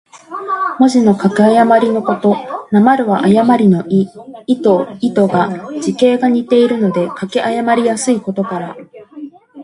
文字の書き誤りのこと。「譌」は誤りの意。「亥」と「豕」とが、字形が似ているので書き誤りやすいことから。